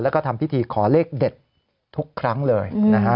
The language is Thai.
และทำพิธีขอเลขเด็ดทุกครั้งเลย